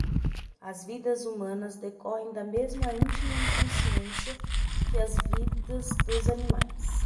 As vidas humanas decorrem da mesma íntima inconsciência que as vidas dos animais.